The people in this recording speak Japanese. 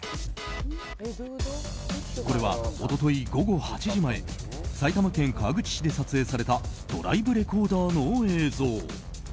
これは一昨日午後８時前埼玉県川口市で撮影されたドライブレコーダーの映像。